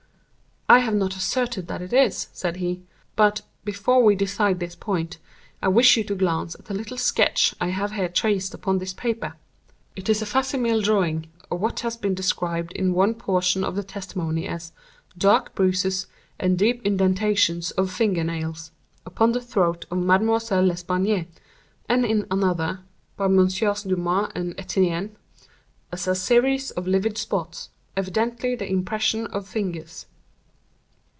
"I have not asserted that it is," said he; "but, before we decide this point, I wish you to glance at the little sketch I have here traced upon this paper. It is a fac simile drawing of what has been described in one portion of the testimony as 'dark bruises, and deep indentations of finger nails,' upon the throat of Mademoiselle L'Espanaye, and in another (by Messrs. Dumas and Etienne,) as a 'series of livid spots, evidently the impression of fingers.